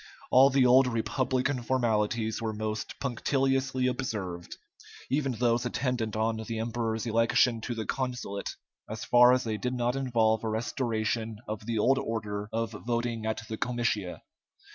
All the old republican formalities were most punctiliously observed even those attendant on the emperor's election to the consulate, so far as they did not involve a restoration of the old order of voting at the comitia.